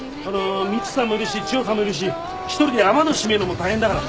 ミチさんもいるしチヨさんもいるし１人で雨戸閉めるのも大変だから。